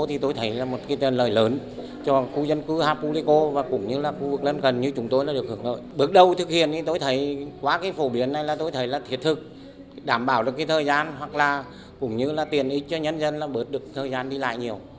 hình như là tiền ít cho nhân dân bớt được thời gian đi lại nhiều